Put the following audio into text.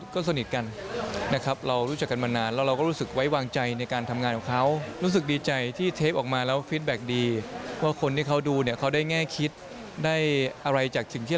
กับหลายคนที่กำลังอยู่ในภาวะนี้